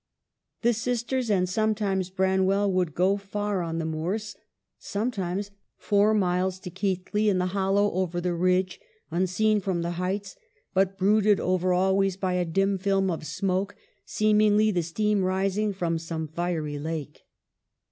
The sisters, and sometimes Branwell, would go far on the moors ; sometimes four miles to 62 EMILY BRONTE. Keighley in the hollow over the ridge, unseen from the heights, but brooded over always by a dim film of smoke, seemingly the steam rising from some fiery lake.